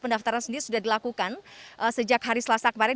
pendaftaran sendiri sudah dilakukan sejak hari selasa kemarin